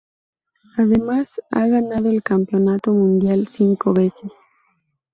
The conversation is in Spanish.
Además ha ganado el Campeonato mundial cinco veces.